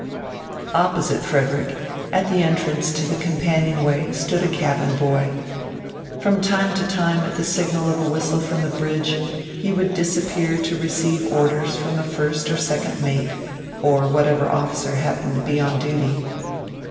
Opposite Frederick, at the entrance to the companionway, stood a cabin boy. From time to time at the signal of a whistle from the bridge, he would disappear to receive orders from the first or second mate, or whatever officer happened to be on duty.